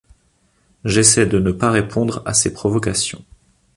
J’essaie de ne pas répondre à ses provocations.